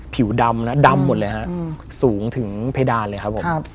ผิวดำนะดำหมดเลยฮะสูงถึงเพดานเลยครับผม